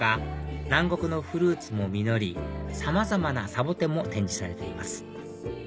南国のフルーツも実りさまざまなサボテンも展示されています